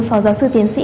phó giáo sư tiến sĩ